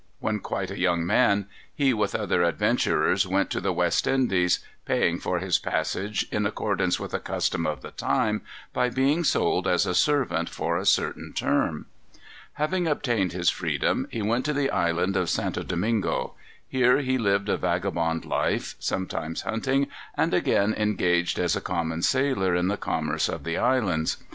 When quite a young man, he, with other adventurers, went to the West Indies, paying for his passage, in accordance with a custom of the times, by being sold as a servant for a certain term. Having obtained his freedom, he went to the Island of St. Domingo. Here he lived a vagabond life, sometimes hunting, and again engaged as a common sailor in the commerce of the islands.